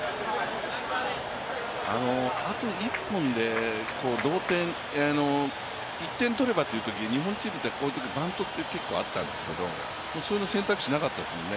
あと１点取ればっていうときって日本チームってこういうときバントって結構あったんですけどそういう選択肢はなかったですよね。